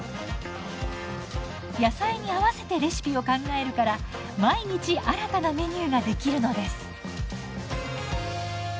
野菜に合わせてレシピを考えるから毎日新たなメニューができるのです。